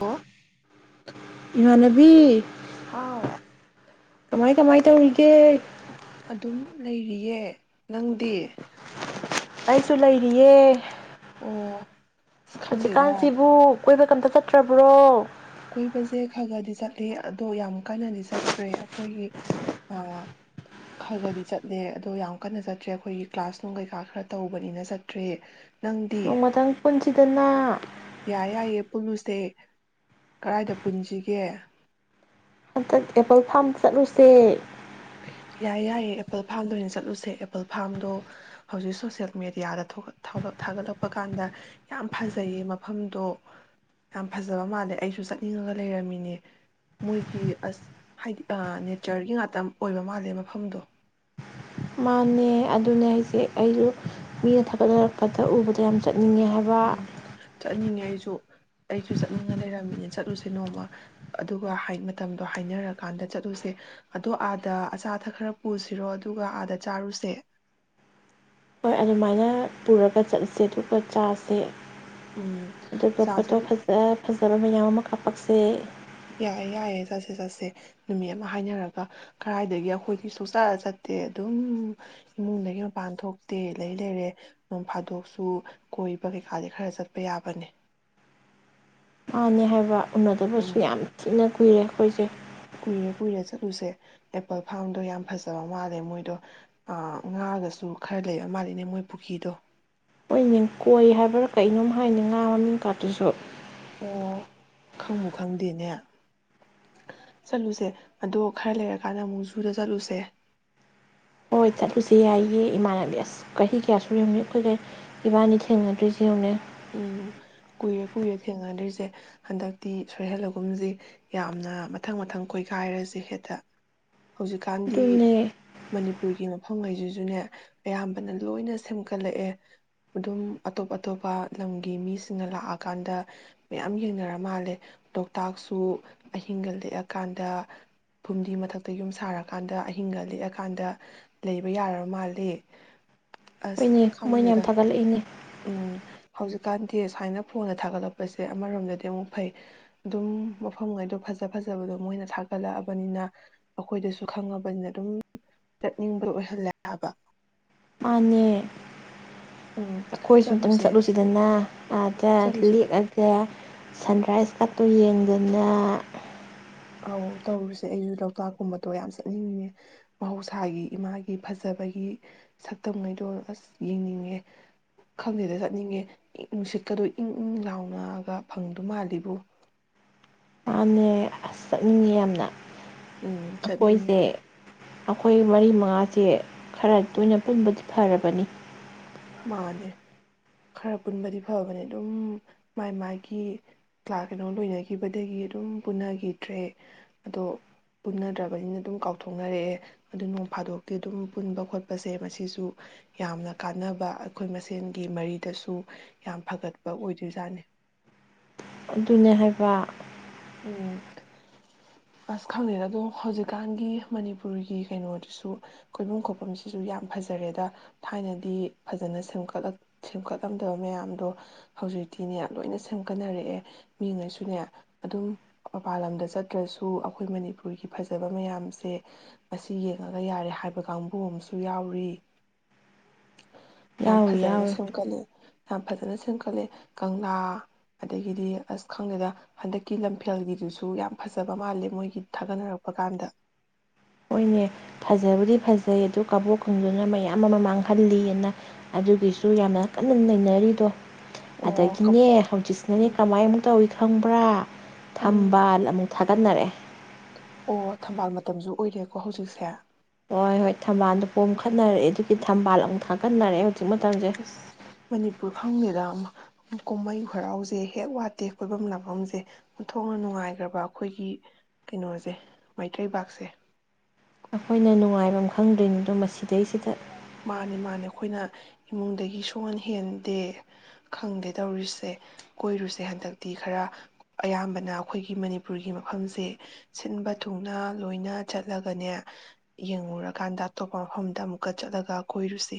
ꯑꯣ ꯏꯃꯅꯕꯤ ꯍꯥꯎ ꯀꯃꯥꯏ ꯀꯃꯥꯏ ꯇꯧꯔꯤꯒꯦ ꯑꯗꯨꯝ ꯂꯩꯔꯤꯌꯦ ꯅꯪꯗꯤ ꯑꯩꯁꯨ ꯂꯩꯔꯤꯌꯦ ꯑꯣ ꯑꯁ ꯈꯪꯗꯦꯗ ꯍꯧꯖꯤꯛꯀꯥꯟꯁꯤꯕꯨ ꯀꯣꯏꯕꯒ ꯑꯃꯇ ꯆꯠꯇ꯭ꯔꯕ꯭ꯔꯣ ꯀꯣꯏꯕꯁꯦ ꯈꯒꯗꯤ ꯆꯠꯂꯦ ꯑꯗꯣ ꯌꯥꯝ ꯀꯟꯅꯗꯤ ꯆꯠꯇ꯭ꯔꯦ ꯑꯩꯈꯣꯏꯒꯤ ꯑꯥ ꯈꯒꯗꯤ ꯆꯠꯂꯦ ꯑꯗꯣ ꯌꯥꯝ ꯀꯟꯅ ꯆꯠꯇ꯭ꯔꯦ ꯑꯩꯈꯣꯏꯒꯤ ꯀ꯭ꯂꯥꯁꯅꯨꯡ ꯀꯩꯀꯥ ꯈꯔ ꯇꯧꯕꯅꯤꯅ ꯆꯠꯇ꯭ꯔꯦ ꯅꯪꯗꯤ ꯅꯣꯡꯃꯊꯪ ꯄꯨꯟꯁꯤꯗꯅ ꯌꯥꯏ ꯌꯥꯏꯌꯦ [unintelligible] ꯀꯗꯥꯏꯗ ꯄꯨꯟꯁꯤꯒꯦ ꯍꯟꯗꯛ ꯑꯦꯄꯜ ꯐꯥꯝ ꯆꯠꯂꯨꯁꯦ ꯌꯥꯏ ꯌꯥꯏꯌꯦ ꯑꯦꯄꯜ ꯐꯥꯔꯝꯗ ꯑꯣꯏꯅ ꯆꯠꯂꯨꯁꯦ ꯑꯦꯄꯜ ꯐꯥꯝꯗꯣ ꯍꯧꯖꯤꯛ ꯁꯣꯁꯦꯜ ꯃꯦꯗꯤꯌꯥꯗ ꯊꯥꯒꯠꯂꯛꯄ ꯀꯥꯟꯗ ꯌꯥꯝ ꯐꯖꯩꯌꯦ ꯃꯐꯝꯗꯣ ꯌꯥꯝ ꯐꯖꯕ ꯃꯥꯜꯂꯦ ꯑꯩꯁꯨ ꯆꯠꯅꯤꯡꯉꯒ ꯂꯩꯔꯝꯃꯤꯅꯦ ꯃꯣꯏꯒꯤ ꯑꯁ ꯍꯥꯏꯗꯤ ꯅꯦꯆꯔꯒꯤ ꯉꯥꯛꯇ ꯑꯣꯏꯕ ꯃꯥꯜꯂꯦ ꯃꯐꯝꯗꯣ ꯃꯥꯅꯦ ꯑꯗꯨꯅꯦ ꯍꯥꯏꯁꯦ ꯑꯩꯁꯨ ꯃꯤꯅ ꯊꯥꯒꯠꯆꯔꯛꯄꯗ ꯎꯕꯗ ꯌꯥꯝ ꯆꯠ ꯎꯝ ꯆꯠꯅꯤꯡꯉꯦ ꯑꯩꯁꯨ ꯑꯩꯁꯨ ꯆꯠꯅꯤꯡꯉ ꯂꯩꯔꯝꯃꯤꯅꯦ ꯆꯠꯂꯨꯁꯦ ꯅꯣꯡꯃ ꯑꯗꯨꯒ ꯃꯇꯝꯗꯣ ꯍꯥꯏꯅꯔꯀꯥꯟꯗ ꯆꯠꯂꯨꯁꯦ ꯑꯗꯣ ꯑꯥꯗ ꯑꯆꯥ ꯑꯊꯛ ꯈꯔ ꯄꯨꯁꯤꯔꯣ ꯑꯗꯨꯒ ꯑꯥꯗ ꯆꯥꯔꯨꯁꯦ ꯍꯣꯏ ꯑꯗꯨꯃꯥꯏꯅ ꯄꯨꯔꯒ ꯆꯠꯂꯁꯦ ꯑꯗꯨꯒ ꯆꯥꯁꯦ ꯎꯝ ꯑꯗꯨꯒ ꯆꯥꯁꯦ ꯐꯣꯇꯣ ꯐꯖ ꯐꯖꯕ ꯃꯌꯥꯝ ꯑꯃ ꯀꯥꯞꯄ ꯄꯛꯆꯦ ꯌꯥꯏꯌꯦ ꯌꯥꯏꯌꯦ ꯆꯠꯁꯦ ꯆꯠꯁꯦ ꯅꯨꯃꯤꯠ ꯑꯃ ꯍꯥꯏꯅꯔꯒ ꯀꯗꯥꯥꯏꯗꯒꯤ ꯑꯩꯈꯣꯏꯒꯤ ꯁꯨꯡꯆꯔ ꯆꯠꯇꯦ ꯑꯗꯨꯝ ꯏꯃꯨꯡꯗꯒꯤ ꯃꯄꯥꯟ ꯊꯣꯛꯇꯦ ꯂꯩ ꯂꯩꯔꯦ ꯅ ꯐꯥꯗꯣꯛꯁꯨ ꯀꯣꯏꯕ ꯀꯩꯀꯥꯗꯤ ꯈꯔ ꯆꯠꯄ ꯌꯥꯕꯅꯦ ꯃꯥꯅꯦ ꯍꯥꯏꯕ ꯎꯅꯗꯕꯁꯨ ꯎꯝ ꯌꯥꯝ ꯊꯤꯅ ꯀꯨꯏꯔꯦ ꯑꯩꯈꯣꯏꯁꯦ ꯂꯨꯁꯦ ꯑꯦꯄꯜ ꯐꯥꯔꯝꯗꯣ ꯌꯥꯝ ꯐꯖꯕ ꯃꯥꯜꯂꯦ ꯃꯣꯏꯗꯣ ꯉꯥꯒꯁꯨ ꯈꯔ ꯂꯩꯕ ꯃꯥꯜꯂꯤꯅꯦ ꯃꯣꯏ ꯄꯨꯈ꯭ꯔꯤꯗꯣ ꯃꯣꯏꯅꯦ ꯀꯣꯏ ꯍꯥꯏꯕ꯭ꯔꯥ ꯀꯩꯅꯣꯝ ꯍꯥꯏꯅꯤ ꯉꯥ ꯃꯃꯤꯡ ꯀꯥꯇ꯭ꯔꯁꯨ ꯑꯣ ꯈꯉꯕꯨ ꯈꯉꯗꯦꯅꯦ ꯆꯠꯂꯨꯁꯦ ꯑꯗꯣ ꯈꯔ ꯂꯩꯔꯀꯥꯟꯗ ꯑꯃꯨꯛ ꯖꯨꯗ ꯆꯠꯂꯨꯁꯦ ꯍꯣꯏ ꯆꯠꯂꯨꯁꯪ ꯌꯥꯏꯒꯤ ꯏꯃꯥꯟꯅꯕꯤ ꯑꯁ ꯆꯍꯤ ꯀꯌꯥꯁꯨ ꯌꯦꯡꯅꯤ ꯑꯩꯈꯣꯏꯒ ꯏꯕꯥꯅꯤ ꯊꯦꯡꯅꯗꯣꯏꯁꯨ ꯌꯦꯡꯅꯦ ꯎꯝ ꯀꯨꯏꯔꯦ ꯀꯨꯏꯔꯦ ꯊꯦꯡꯅꯗ꯭ꯔꯤꯁꯦ ꯍꯟꯗꯛꯇꯤ ꯁꯣꯔꯍꯦꯜꯂꯒꯨꯝꯁꯤ ꯌꯥꯝꯅ ꯃꯊꯪ ꯃꯊꯪ ꯀꯣꯏꯈꯥꯏꯔꯁꯤ ꯍꯦꯛꯇ ꯍꯧꯖꯤꯛꯀꯥꯟꯗꯤ ꯑꯗꯨꯅꯦ ꯃꯅꯤꯄꯨꯔꯒꯤ ꯑꯈꯪꯉꯩꯁꯤꯁꯨꯅꯦ ꯑꯌꯥꯝꯕꯅ ꯂꯣꯏꯅ ꯁꯦꯝꯒꯠꯂꯛꯑꯦ ꯑꯗꯨꯝ ꯑꯇꯣꯞ ꯑꯇꯣꯞꯄ ꯂꯝꯒꯤ ꯃꯤꯁꯤꯡꯅ ꯂꯥꯛꯑꯀꯥꯟꯗ ꯃꯌꯥꯝ ꯌꯦꯡꯅꯔ ꯃꯥꯜꯂꯦ ꯂꯣꯛꯇꯥꯛꯁꯨ ꯑꯍꯤꯡꯒ ꯂꯦꯛꯑꯀꯥꯟꯗ ꯐꯨꯝꯗꯤ ꯃꯊꯛꯇ ꯌꯨꯝ ꯁꯥꯔꯀꯥꯟꯗ ꯑꯍꯤꯡꯒ ꯂꯦꯛꯑꯀꯥꯟꯗ ꯂꯩꯕ ꯌꯥ ꯃꯥꯜꯂꯦ ꯑꯁ ꯍꯅꯦ ꯃꯣꯏꯅ ꯌꯥꯝ ꯈꯪꯗꯦꯗ ꯊꯥꯒꯠꯂꯛꯏꯅꯦ ꯎꯝ ꯍꯧꯖꯤꯛꯀꯥꯟꯗꯤ ꯁꯨꯃꯥꯏꯅ ꯐꯣꯟꯗ ꯊꯥꯒꯠꯂꯛꯄꯁꯦ ꯑꯃꯔꯣꯝꯗꯗꯤ ꯑꯃꯨꯛ ꯐꯩ ꯑꯗꯨꯝ ꯃꯐꯝꯉꯩꯗꯣ ꯐꯖ ꯐꯖꯕꯗꯣ ꯃꯣꯏꯅ ꯊꯥꯒꯠꯂꯛꯑꯕꯅꯤꯅ ꯑꯩꯈꯣꯏꯗꯁꯨ ꯈꯪꯉꯕꯅꯤꯅ ꯑꯗꯨꯝ ꯆꯠꯅꯤꯡꯕ ꯑꯣꯏꯍꯜꯂꯦ ꯍꯥꯏꯕ ꯃꯥꯅꯦ ꯑꯩꯈꯣꯏꯁꯨ ꯑꯃꯨꯛꯇꯪ ꯆꯠꯂꯨꯁꯦ ꯆꯠꯂꯨꯁꯤꯗꯅ ꯑꯥꯗ ꯆꯠꯂꯨꯁꯦ ꯂꯦꯛꯑꯒ ꯁꯟꯔꯥꯏꯁ ꯄꯠꯇꯨ ꯌꯦꯡꯗꯅ ꯑꯧ ꯇꯧꯔꯨꯁꯦ ꯑꯩꯁꯨ ꯂꯣꯛꯇꯥꯛꯀꯨꯝꯕꯗꯣ ꯌꯥꯝ ꯆꯠꯅꯤꯡꯉꯉꯦ ꯃꯍꯧꯁꯥꯒꯤ ꯏꯃꯥꯒꯤ ꯐꯖꯕꯒꯤ ꯁꯛꯇꯝꯉꯩꯗꯣ ꯑꯁ ꯌꯦꯡꯅꯤꯡꯉꯦ ꯈꯪꯗꯦꯗ ꯆꯠꯅꯤꯡꯉꯦ ꯏꯪ ꯅꯨꯡꯁꯤꯠꯀꯗꯣ ꯏꯪ ꯏꯪ ꯂꯥꯎꯅꯒ ꯐꯪꯗꯧ ꯃꯥꯜꯂꯤꯕꯨ ꯃꯥꯅꯦ ꯑꯁ ꯆꯠꯅꯤꯡꯉꯤ ꯌꯥꯝꯅ ꯎꯝ ꯆꯠꯅꯤꯡꯉꯦ ꯑꯩꯈꯣꯏꯁꯦ ꯑꯩꯈꯣꯏ ꯃꯔꯤ ꯃꯉꯥꯁꯦ ꯈꯔ ꯇꯣꯏꯅ ꯄꯨꯟꯕꯗꯤ ꯐꯔꯕꯅꯤ ꯃꯥꯅꯦ ꯈꯔ ꯄꯨꯟꯕꯗꯤ ꯐꯕꯅꯦ ꯑꯗꯨꯝ ꯃꯥꯏ ꯃꯥꯒꯤ ꯀ꯭ꯂꯥꯁ ꯀꯩꯅꯣ ꯂꯣꯏꯅꯈꯤꯕꯗꯒꯤ ꯑꯗꯨꯝ ꯄꯨꯟꯅꯈꯤꯗ꯭ꯔꯦ ꯑꯗꯣ ꯄꯨꯟꯅꯗ꯭ꯔꯕꯅꯤꯅ ꯑꯗꯨꯝ ꯀꯥꯎꯊꯣꯛꯅꯔꯛꯑꯦ ꯑꯗꯨ ꯅꯣꯡ ꯐꯥꯗꯣꯛꯇꯤ ꯑꯗꯨꯝ ꯄꯨꯟꯕ ꯈꯣꯠꯄꯁꯦ ꯃꯁꯤꯁꯨ ꯌꯥꯝꯅ ꯀꯥꯟꯅꯕ ꯑꯩꯈꯣꯏ ꯃꯁꯦꯟꯒꯤ ꯃꯔꯤꯗꯁꯨ ꯌꯥꯝ ꯐꯒꯠꯄ ꯑꯣꯏꯗꯣꯏꯖꯥꯠꯅꯤ ꯑꯗꯨꯅꯦ ꯍꯥꯏꯕ ꯎꯝ ꯑꯁ ꯈꯪꯅꯩꯗ ꯑꯗꯣ ꯍꯧꯖꯤꯛꯀꯥꯟꯒꯤ ꯃꯅꯤꯄꯨꯔꯒꯤ ꯀꯩꯅꯣꯗꯨꯁꯨ ꯀꯣꯏꯐꯝ ꯈꯣꯐꯝꯁꯤꯁꯨ ꯌꯥꯝ ꯐꯖꯔꯦꯗ ꯊꯥꯏꯅꯗꯤ ꯐꯖꯅ ꯁꯦꯝ ꯁꯦꯝꯒꯠꯂꯝꯗꯕ ꯃꯌꯥꯝꯗꯣ ꯍꯧꯖꯤꯛꯇꯤꯅꯦ ꯂꯣꯏꯅ ꯁꯦꯝꯒꯠꯅꯔꯛꯑꯦ ꯃꯤꯉꯩꯁꯨꯅꯦ ꯑꯗꯨꯝ ꯃꯄꯥꯜ ꯂꯝꯗ ꯆꯠꯇ꯭ꯔꯁꯨ ꯑꯩꯈꯣꯏ ꯃꯅꯤꯄꯨꯔꯒꯤ ꯐꯖꯕ ꯃꯌꯥꯝꯁꯦ ꯃꯁꯤ ꯌꯦꯡꯉꯒ ꯌꯥꯔꯦ ꯍꯥꯏꯕ ꯀꯥꯡꯕꯨ ꯑꯃꯁꯨ ꯌꯥꯎꯔꯤ ꯌꯥꯝ ꯌꯥꯎꯏ ꯐꯖꯅ ꯌꯥꯎꯏ ꯁꯦꯝꯨꯝꯒꯠꯂ ꯌꯥꯝ ꯐꯖꯅ ꯁꯦꯝꯒꯠꯂꯦ ꯀꯪꯂꯥ ꯑꯗꯒꯤꯗꯤ ꯑꯁ ꯈꯪꯗꯦꯗ ꯍꯟꯗꯛꯀꯤ ꯂꯝꯐꯦꯜꯒꯤꯗꯨꯁꯨ ꯌꯥꯝ ꯐꯖꯕ ꯃꯥꯜꯂꯦ ꯃꯣꯏꯒꯤ ꯊꯥꯒꯠꯅꯔꯛꯄ ꯀꯥꯟꯗ ꯍꯣꯏꯅꯦ ꯐꯖꯕꯨꯗꯤ ꯐꯖꯩ ꯑꯗꯨ ꯀꯕꯣꯛ ꯈꯪꯗꯨꯅ ꯃꯌꯥꯝ ꯑꯃ ꯃꯥꯡꯍꯜꯂꯤꯑꯅ ꯑꯗꯨꯒꯤꯁꯨ ꯌꯥꯝꯅ ꯀꯟꯅ ꯅꯩꯅꯔꯤꯗꯣ ꯑꯣ ꯀꯞ ꯑꯗꯒꯤꯅꯦ ꯍꯧꯖꯤꯛꯁꯤꯅꯅꯦ ꯎꯝ ꯀꯃꯥꯏ ꯑꯃꯨ ꯇꯧꯋꯤ ꯈꯪꯕ꯭ꯔꯥ ꯎꯝ ꯊꯝꯕꯥꯜ ꯑꯃꯨꯛ ꯊ ꯇꯟꯅꯔꯦ ꯑꯣ ꯊꯝꯕꯥꯜ ꯃꯇꯝꯁꯨ ꯑꯣꯏꯔꯦꯀꯣ ꯍꯧꯖꯤꯛꯁꯦ ꯍꯣꯏ ꯍꯣꯏ ꯊꯝꯕꯥꯜꯗꯣ ꯄꯣꯝꯈꯠꯅꯔꯛꯑꯦ ꯑꯗꯨꯒꯤ ꯊꯝꯕꯥꯜ ꯑꯃꯨꯛ ꯊꯥꯒꯠꯅꯔꯛꯑꯦ ꯍꯧꯖꯤꯛ ꯃꯇꯝꯁꯦ ꯑꯁ ꯃꯅꯤꯄꯨꯔ ꯈꯪꯗꯦꯗ [unintelligible] ꯀꯨꯝꯍꯩ ꯍꯔꯥꯎꯁꯦ ꯍꯦꯛ ꯋꯥꯠꯇꯦ ꯀꯣꯏꯐꯝ ꯂꯥꯛꯐꯝꯁꯦ ꯊꯣꯛꯅ ꯅꯨꯡꯉꯥꯏꯈ꯭ꯔꯕ ꯑꯩꯈꯣꯏꯒꯤ ꯀꯩꯅꯣꯁꯦ ꯃꯩꯇꯩꯕꯥꯛꯁꯦ ꯑꯩꯈꯣꯏꯅ ꯅꯨꯡꯉꯥꯏꯕꯝ ꯈꯪꯗꯔꯤꯅꯤꯗꯣ ꯃꯁꯤꯗꯩꯁꯤꯗ ꯃꯥꯅꯦ ꯃꯥꯅꯦ ꯑꯩꯈꯣꯏꯅ ꯏꯃꯨꯡꯗꯒꯤ ꯁꯣꯛꯍꯟ ꯍꯦꯟꯗꯦ ꯈꯪꯗꯦ ꯇꯧꯔꯤꯁꯦ ꯀꯣꯏꯔꯨꯁꯦ ꯍꯟꯗꯛꯇꯤ ꯈꯔ ꯑꯌꯥꯝꯕꯅ ꯑꯩꯈꯣꯏꯒꯤ ꯃꯅꯤꯄꯨꯔꯒꯤ ꯃꯐꯝꯁꯦ ꯁꯤꯟꯕ ꯊꯨꯡꯅ ꯂꯣꯏꯅ ꯆꯠꯂꯒꯅꯦ ꯌꯦꯡꯉꯨꯔꯀꯥꯟꯗ ꯑꯇꯣꯞꯄ ꯃꯐꯝꯗ ꯑꯃꯨꯛꯀ ꯆꯠꯂꯒ ꯀꯣꯏꯔꯨꯁꯤ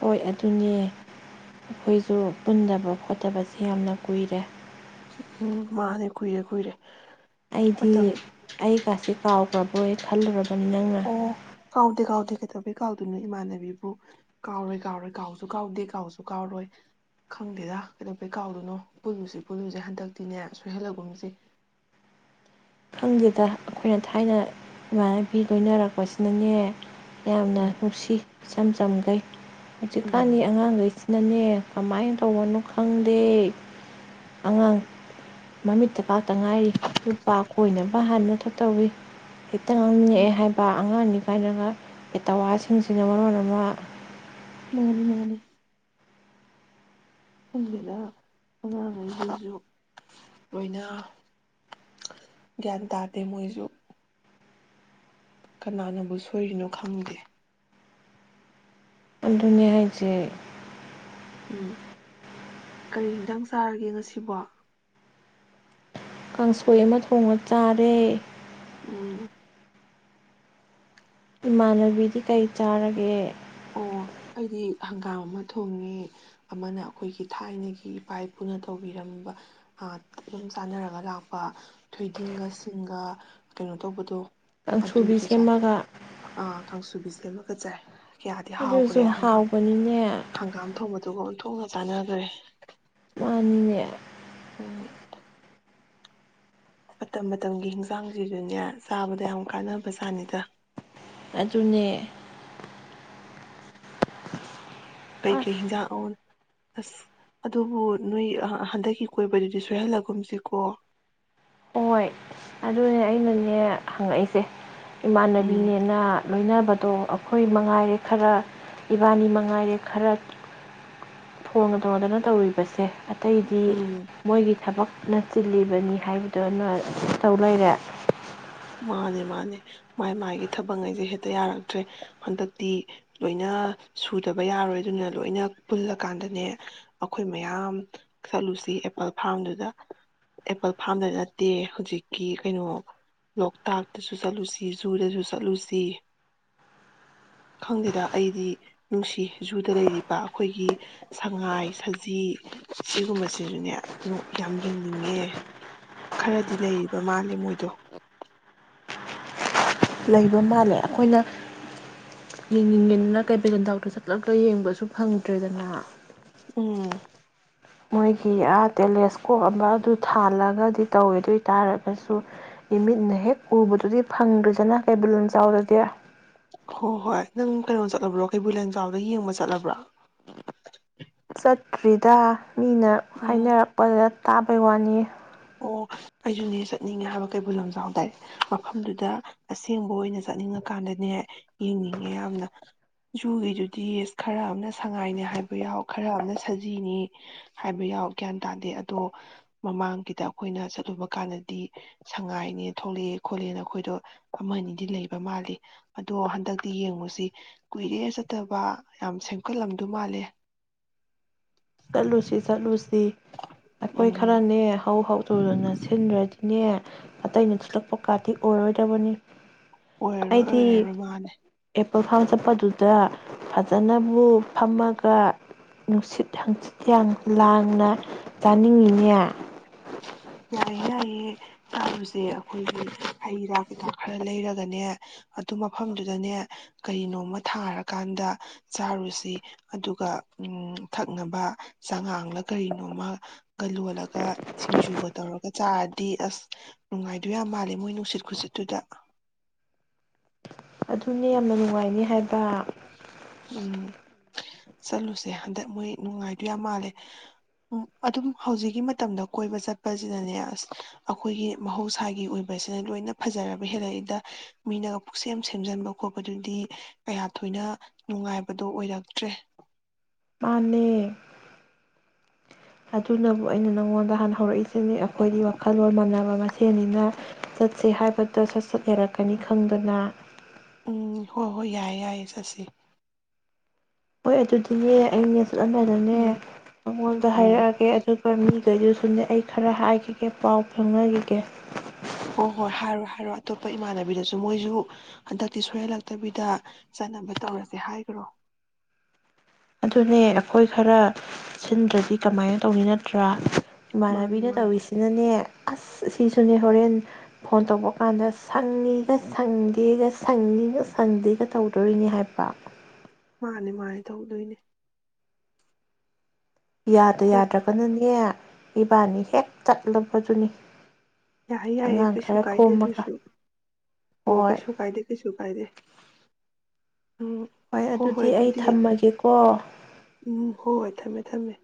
ꯍꯣꯏ ꯑꯗꯨꯅꯦ ꯑꯩꯈꯣꯏꯖꯨ ꯄꯨꯟꯗꯕ ꯈꯣꯠꯇꯕꯁꯦ ꯌꯥꯝꯅ ꯀꯨꯏꯔꯦ ꯎꯝ ꯃꯥꯅꯤ ꯀꯨꯏꯔꯦ ꯀꯨꯏꯔꯦ ꯑꯩꯗꯤ ꯃꯇꯝ ꯑꯩ ꯀꯥꯁꯤꯛ ꯀꯥꯎꯈ꯭ꯔꯕꯣꯏ ꯈꯜꯂꯔꯕ ꯆꯝꯅꯅ ꯑ ꯀꯩꯗꯧꯕꯩ ꯀꯥꯎꯗꯣꯏꯅꯣ ꯏꯃꯥꯟꯅꯕꯤꯕꯨ ꯀꯥꯎꯔꯣꯏ ꯀꯥꯎꯔꯣꯏ ꯀꯥꯎꯁꯨ ꯀꯥꯎꯗꯦ ꯀꯥꯎꯁꯨ ꯀꯥꯎꯔꯣꯏ ꯈꯪꯗꯦꯗ ꯀꯩꯗꯧꯕꯩ ꯀꯥꯎꯗꯣꯏꯅꯣ ꯄꯨꯜꯂꯨꯁꯤ ꯄꯨꯜꯂꯨꯁꯦ ꯍꯟꯗꯛꯇꯤꯅꯦ ꯁꯣꯏꯍꯜꯂꯒꯨꯝꯁꯦ ꯈꯪꯗꯦꯗ ꯑꯩꯈꯣꯏꯅ ꯊꯥꯏꯅ ꯏꯃꯥꯟꯅꯕꯤ ꯂꯣꯏꯅꯔꯛꯄꯁꯤꯅꯅꯦ ꯌꯥꯝꯅ ꯎꯝ ꯅꯨꯡꯁꯤ ꯏꯆꯝꯆꯝꯒꯩ ꯍꯧꯖꯤꯛꯀꯥꯟꯒꯤ ꯎꯝ ꯑꯉꯥꯡꯒꯩꯁꯤ ꯅꯅꯦ ꯀꯃꯥꯏꯅ ꯇꯧꯕꯅꯣ ꯈꯪꯗꯦ ꯑꯉꯥꯡ ꯃꯃꯤꯠ [unintelligible] ꯉꯥꯏꯔꯤ [unintelligible] ꯑꯣꯏꯅꯕ ꯍꯥꯟꯅ [unintelligible] ꯇꯧꯋꯤ ꯍꯦꯛꯇ ꯎꯝ ꯉꯥꯡꯅꯤꯡꯉꯛꯑꯦ ꯍꯥꯏꯕ ꯑꯉꯥꯡꯅꯤ [unintelligible] ꯄꯦꯇꯋꯥꯁꯤꯡꯁꯤꯅ ꯃꯔꯣꯟ ꯑꯃ ꯃꯥꯅꯦ ꯃꯥꯅꯦ [unintelligible] ꯑꯉꯥꯡꯉꯩꯁꯤꯡꯁꯨ ꯂꯣꯏꯅ ꯒ꯭ꯌꯥꯟ ꯇꯥꯗꯦ ꯃꯣꯏꯁꯨ ꯀꯅꯥꯅꯕꯨ ꯁꯣꯏꯔꯤꯅꯣ ꯈꯪꯗꯦ ꯑꯗꯨꯅꯦ ꯍꯥꯏꯁꯦ ꯎꯝ ꯀꯔꯤ ꯍꯤꯡꯖꯥꯡ ꯆꯥꯔꯒꯦ ꯉꯁꯤꯕꯣ ꯀꯥꯡꯁꯣꯏ ꯑꯃ ꯊꯣꯡꯉꯥ ꯆꯥꯔꯦ ꯎꯝ ꯏꯃꯥꯟꯅꯕꯤꯗꯤ ꯀꯩ ꯆꯥꯔꯒꯦ ꯑꯣ ꯑꯩꯗꯤ ꯍꯪꯒꯥꯝ ꯑꯃ ꯊꯣꯡꯉꯦ ꯑꯃꯅ ꯑꯈꯣꯏꯒꯤ ꯊꯥꯏꯅꯒꯤ ꯏꯄꯥ ꯏꯄꯨꯅ ꯇꯧꯕꯤꯔꯝꯕ ꯑꯗꯨꯝ ꯆꯥꯟꯅꯔꯒ ꯂꯥꯛꯄ ꯑ ꯊꯣꯏꯗꯤꯡꯒ ꯁꯤꯡꯒ ꯀꯩꯅꯣ ꯇꯧꯕꯗꯣ ꯑꯗꯨ ꯀꯥꯡꯁꯨꯕꯤ [unintelligible] ꯆꯥꯏ ꯁꯦꯝꯃꯒ ꯑꯥ ꯀꯥꯡꯁꯨꯕꯤꯁꯨ ꯂꯣꯏꯃꯛꯀ ꯆꯥꯏ ꯀꯌꯥꯗꯤ ꯑꯗꯨꯁꯨ ꯍꯥꯎꯈ꯭ꯔꯦ ꯍꯪꯒꯥꯝ ꯍꯥꯎꯕꯅꯤꯅꯦ ꯍꯪꯒꯥꯝ ꯊꯣꯡꯕꯗꯨꯒ ꯊꯣꯛꯅ ꯆꯥꯟꯅꯒ꯭ꯔꯦ ꯃꯥꯅꯤꯅꯦ ꯎꯝ ꯃꯇꯝ ꯃꯇꯝꯒꯤ ꯍꯤꯡꯖꯥꯡꯁꯤꯖꯨꯅꯦ ꯆꯥꯕꯗ ꯌꯥꯝ ꯀꯥꯟꯅꯕ ꯆꯥꯅꯤꯗ ꯑꯗꯨꯅꯦ ꯀꯩ ꯀꯩ ꯑꯁ ꯏꯟꯖꯥꯡ [unintelligible] ꯑꯁ ꯑꯗꯨꯕꯨ ꯅꯣꯏ ꯍꯟꯗꯛꯀꯤ ꯀꯣꯏꯕꯗꯨꯗꯤ ꯁꯣꯏꯍꯜꯂꯒꯨꯝꯁꯤꯀꯣ ꯍꯣꯏ ꯑꯗꯨꯅꯦ ꯑꯩꯅꯅꯦ ꯍꯪꯉꯛꯏꯁꯦ ꯎꯝ ꯏꯃꯥꯟꯅꯕꯤꯅꯦꯅ ꯂꯣꯏꯅꯕ ꯑꯗꯣ ꯑꯩꯈꯣꯏꯃ ꯉꯥꯏꯔꯦ ꯈꯔ ꯏꯕꯥꯅꯤꯃꯛ ꯉꯥꯏꯔꯦ ꯈꯔ ꯐꫭꯒꯟ ꯇꯧꯅꯗꯅ ꯇꯧꯔꯤꯕꯁꯦ ꯑꯇꯩꯗꯤ ꯎꯝ ꯃꯣꯏꯒꯤ ꯊꯕꯛꯅ ꯆꯤꯜꯂꯤꯕꯅꯤ ꯍꯥꯏ ꯑꯗꯨꯅ [inaudible] ꯇꯧ ꯂꯩꯔꯦ ꯃꯥꯅꯦ ꯃꯥꯅꯦ ꯃꯥꯥꯏ ꯃꯥꯥꯏꯒꯤ ꯊꯕꯛꯉꯩꯖꯦ ꯍꯦꯠꯇ ꯌꯥꯔꯛꯇ꯭ꯔꯦ ꯍꯟꯗꯛꯇꯤ ꯂꯣꯏꯅ ꯁꯨꯗꯕ ꯌꯥꯔꯣꯏ ꯑꯗꯨꯅ ꯂꯣꯏꯅ ꯄꯨꯜꯂꯀꯥꯟꯗꯅꯦ ꯑꯈꯣꯏ ꯃꯌꯥꯝ ꯆꯠꯂꯨꯁꯤ ꯑꯦꯄꯜ ꯐꯥꯔꯝꯗꯨꯗ ꯑꯦꯄꯜ ꯐꯥꯔꯝꯗ ꯅꯠꯇꯦ ꯍꯧꯖꯤꯛꯀꯤ ꯀꯩꯅꯣ ꯂꯣꯛꯇꯥꯛꯇꯁꯨ ꯆꯠꯂꯨꯁꯤ ꯖꯨꯗꯁꯨ ꯆꯠꯂꯨꯁꯤ ꯈꯪꯗꯦꯗ ꯑꯩꯗꯤ ꯅꯨꯡꯁꯤ ꯖꯨꯗ ꯂꯩꯔꯤꯕ ꯑꯩꯈꯣꯏꯒꯤ ꯁꯉꯥꯏ ꯁꯖꯤ ꯁꯤꯒꯨꯝꯕꯁꯤꯁꯨꯅꯦ ꯌꯥꯝ ꯌꯦꯡꯅꯤꯡꯉꯦ ꯈꯔꯗꯤ ꯂꯩꯔꯤꯕ ꯃꯥꯜꯂꯦ ꯃꯣꯏꯗꯣ ꯂꯩꯕ ꯃꯥꯜꯂꯦ ꯑꯩꯈꯣꯏꯅ ꯌꯦꯡꯅꯤꯡꯉꯦꯅ ꯀꯩꯕꯨꯜ ꯂꯝꯖꯥꯎꯗ ꯆꯠꯂꯒ ꯌꯦꯡꯕꯁꯨ ꯐꯪꯗ꯭ꯔꯦꯗꯅ ꯎꯝ ꯃꯣꯏꯒꯤ ꯑꯥ ꯇꯦꯂꯦꯁꯀꯣꯞ ꯑꯃ ꯑꯗꯨ ꯊꯥꯜꯂꯒꯗꯤ ꯇꯧꯋꯦ ꯑꯗꯨ ꯑꯣꯏ ꯇꯥꯔꯒꯁꯨ ꯏꯃꯤꯠꯅ ꯍꯦꯛ ꯎꯕꯗꯨꯗꯤ ꯐꯪꯗ꯭ꯔꯤꯖꯅ ꯀꯩꯕꯨꯜ ꯂꯝꯖꯥꯎꯗꯗꯤ ꯍꯣꯏ ꯍꯣꯏ ꯅꯪ ꯀꯩꯅꯣ ꯆꯠꯂꯕ꯭ꯔꯣ ꯀꯩꯕꯨꯜ ꯂꯝꯖꯥꯎꯗ ꯌꯦꯡꯕ ꯆꯠꯂꯕ꯭ꯔꯥ ꯆꯠꯇ꯭ꯔꯤꯗ ꯃꯤꯅ ꯎꯝ ꯍꯥꯏꯅꯔꯛꯄꯗ ꯇꯥꯕꯩ ꯋꯥꯅꯤ ꯑꯣ ꯑꯩꯁꯖꯅꯦ ꯆꯠꯅꯤꯡꯉꯦ ꯍꯥꯏꯕ ꯀꯩꯕꯨꯜ ꯂꯝꯖꯥꯎꯗꯏꯦ ꯃꯐꯝꯗꯨꯗ ꯑꯁꯦꯡꯕ ꯑꯣꯏꯅ ꯆꯠꯅꯤꯡꯉꯀꯥꯟꯗꯅꯦ ꯌꯦꯡꯅꯤꯡꯉꯦ ꯌꯥꯝꯅ ꯖꯨꯒꯤꯗꯨꯗꯤ ꯈꯔ ꯑꯃꯅ ꯁꯉꯥꯏꯅꯦ ꯍꯥꯏꯕ ꯌꯥꯎ ꯈꯔ ꯑꯃꯅ ꯁꯖꯤꯅꯤ ꯍꯥꯏꯕ ꯌꯥꯎ ꯒ꯭ꯌꯥꯟ ꯇꯥꯗꯦ ꯑꯗꯣ ꯃꯃꯥꯡꯒꯤ ꯁꯤꯗ ꯑꯩꯈꯣꯏꯅ ꯆꯠꯂꯨꯕ ꯀꯥꯟꯗꯗꯤ ꯁꯉꯥꯏꯅꯦ ꯊꯣꯛꯂꯛꯑꯦ ꯈꯣꯠꯂꯦꯅ ꯑꯩꯈꯣꯏꯗꯣ ꯑꯃꯅꯤ ꯑꯗꯤ ꯂꯩꯕ ꯃꯥꯜꯂꯤ ꯑꯗꯣ ꯍꯟꯗꯛꯇꯤ ꯌꯦꯡꯉꯨꯁꯤ ꯀꯨꯏꯔꯦ ꯆꯠꯇꯕ ꯌꯥꯝ ꯁꯦꯝꯒꯠꯂꯝꯗꯨ ꯃꯥꯜꯂꯦ ꯆꯠꯂꯨꯁꯤ ꯆꯠꯂꯨꯁꯤ ꯑꯩꯈꯣꯏ ꯎꯝ ꯈꯔꯅꯦ ꯍꯧ ꯍꯧ ꯍꯥꯎ ꯇꯧꯗꯅ ꯁꯤꯟꯗ꯭ꯔꯗꯤꯅꯦ ꯑꯇꯩꯩꯅꯁꯤꯜꯂꯛ [unintelligible] ꯀꯗꯤ ꯑꫭꯏꯔꯔꫭꯏ ꯗꯕꯅꯤ ꯑꯣꯏꯔꯔꯣꯏ ꯑꯩꯗꯤ ꯑꯣꯏꯔꯔꯣꯏ ꯃꯥꯅꯦ ꯑꯦ ꯄꯜ ꯐꯥꯝ ꯆꯠꯄꯗꯨꯗ ꯐꯖꯅꯕꯨ ꯐꯝꯃꯒ ꯅꯨꯡꯁꯤꯠ ꯍꯥꯡꯖꯤꯠꯀ ꯌꯥꯝ ꯂꯥꯡꯅ ꯆꯥꯅꯤꯡꯉꯤꯅꯦ ꯌꯥꯏꯌꯦ ꯆꯥꯔꯨꯖꯦ ꯑꯈꯣꯏꯒꯤ ꯍꯩ ꯔꯥ ꯀꯩꯀꯥ ꯈꯔ ꯂꯩꯔꯒꯅꯦ ꯑꯗꯨ ꯃꯐꯝꯗꯨꯗꯅꯦ ꯀꯔꯤꯅꯣꯃ ꯊꯥꯔꯀꯥꯟꯗ ꯆꯥꯔꯨꯁꯤ ꯑꯗꯨꯒ ꯎꯝ ꯊꯛꯅꯕ ꯆꯥꯉꯥꯡꯂ ꯀꯔꯤꯅꯣꯃꯒ ꯂꯣꯜꯂꯒ ꯁꯤꯡꯖꯨꯒ ꯇꯧꯔꯒ ꯆꯥꯔꯗꯤ ꯑꯁ ꯅꯨꯡꯉꯥꯏꯗꯨ ꯌꯥꯝ ꯃꯥꯜꯂꯦ ꯃꯣꯏ ꯅꯨꯡꯁꯤꯠ ꯈꯨꯁꯤꯠꯇꯨꯗ ꯑꯗꯨꯅꯦ ꯌꯥꯝꯅ ꯅꯨꯡꯉꯥꯏꯅꯤ ꯍꯥꯏꯕ ꯎꯝ ꯆꯠꯂꯨꯁꯦ ꯍꯟꯗꯛ ꯃꯣꯏ ꯅꯨꯡꯉꯥꯏꯗꯨ ꯌꯥꯝ ꯃꯥꯜꯂꯦ ꯎꯝ ꯑꯗꯨꯝ ꯍꯧꯖꯤꯛꯀꯤ ꯃꯇꯝꯗ ꯀꯣꯏꯕ ꯆꯠꯄꯁꯤꯅꯅꯦ ꯑꯁ ꯑꯩꯈꯣꯏꯒꯤ ꯃꯍꯧꯁꯥꯒꯤ ꯑꯣꯏꯕꯁꯤꯅ ꯂꯣꯏꯅ ꯐꯖꯔꯕ ꯍꯦꯜꯂꯛꯏꯗ ꯃꯤꯅꯒ ꯄꯨꯛ ꯁꯦꯝ ꯁꯦꯝꯖꯤꯟꯕ ꯈꯣꯠꯄꯗꯨꯗꯤ ꯀꯌꯥ ꯊꯣꯏꯅ ꯅꯨꯡꯉꯥꯏꯕꯗꯣ ꯑꯣꯏꯔꯛꯇ꯭ꯔꯦ ꯃꯥꯅꯦ ꯑꯗꯨꯅꯕꯨ ꯑꯩꯅ ꯅꯪꯉꯣꯟꯗ ꯍꯥꯟꯅ ꯍꯧꯔꯛꯏꯁꯤꯅꯤ ꯑꯩꯈꯣꯏꯗꯤ ꯋꯥꯈꯜꯂꯣꯟ ꯃꯥꯟꯅꯕ ꯃꯁꯦꯟꯅꯤꯅ ꯆꯠꯁꯦ ꯍꯥꯏꯕꯗꯣ ꯁꯠ ꯁꯠ ꯌꯥꯔꯛꯀꯅꯤ ꯈꯪꯗꯅ ꯎꯝ ꯍꯣꯏ ꯍꯣꯏ ꯌꯥꯏꯌꯦ ꯌꯥꯏꯌꯦ ꯆꯠꯁꯦ ꯍꯣꯏ ꯑꯗꯨꯗꯤꯅꯦ ꯑꯩ ꯆꯠꯂꯝꯗꯥꯏꯗꯅꯦ ꯎꯝ ꯃꯉꯣꯟꯗ ꯎꯝ ꯍꯥꯏꯔꯛꯑꯒꯦ ꯑꯗꯨꯒ ꯃꯤꯈꯩꯗꯨꯁꯨꯅꯦ ꯑꯩ ꯈꯔ ꯍꯥꯏꯈꯤ ꯀꯦ ꯄꯥꯎ ꯐꯥꯎꯅꯔꯤꯒꯦ ꯍꯣ ꯍꯣꯏ ꯍꯥꯏꯔꯣ ꯍꯥꯏꯔꯣ ꯑꯇꯣꯞꯄ ꯏꯃꯥꯟꯅꯕꯤꯗꯁꯨ ꯃꯣꯏꯁꯨ ꯍꯟꯗꯛꯇꯤ ꯁꯣꯏꯍꯜꯂꯛꯇꯕꯤꯗ ꯆꯠꯅꯕ ꯇꯧꯔꯁꯦ ꯍꯥꯏꯒꯔꯣ ꯑꯗꯨꯅꯦ ꯑꯩꯈꯣꯏ ꯈꯔ ꯁꯤꯟꯗ꯭ꯔꯗꯤ ꯀꯃꯥꯏꯅ ꯇꯧꯅꯤ ꯅꯠꯇ꯭ꯔꯥ ꯃꯥꯅꯦ ꯏꯃꯥꯟꯅꯕꯤꯅ ꯃꯥꯅꯦ ꯇꯧꯔꯤꯁꯤꯅꯅꯦ ꯑꯁ ꯁꯤꯁꯨꯅꯦ ꯍꯣꯔꯦꯟ ꯐꯣꯟ ꯇꯧꯕ ꯀꯥꯟꯗ ꯁꯪꯉꯤꯒ ꯁꯪꯗꯦꯒ ꯁꯪꯉꯤꯒ ꯁꯪꯗꯦꯒ ꯇꯧꯗꯣꯔꯤꯅꯤ ꯍꯥꯏꯕ ꯃꯥꯅꯤ ꯃꯥꯅꯤ ꯊꯧꯗꯣꯏꯅꯦ ꯌꯥꯗ ꯍꯣ ꯌꯥꯗ꯭ꯔꯒꯅꯅꯦ ꯏꯕꯥꯅꯤ ꯍꯦꯛ ꯆꯠꯂꯕꯗꯨꯅꯤ ꯌꯥꯏ ꯌꯥꯏꯌꯦ ꯑꯉꯥꯡ ꯀꯩꯁꯨ ꯈꯔ ꯀꯥꯏꯗꯦ ꯈꯣꯝꯃꯒ ꯑꯗꯨꯁꯨ ꯑꯣ ꯍꯣꯏ ꯀꯩꯁꯨ ꯀꯥꯏꯗꯦ ꯀꯩꯁꯨ ꯀꯥꯏꯗꯦ ꯎꯝ ꯍꯣꯏ ꯍꯣꯏ ꯑꯗꯨꯗꯤ ꯎꯝ ꯍꯣꯏ ꯍꯣꯏ ꯊꯝꯃꯦ ꯊꯝꯃꯦ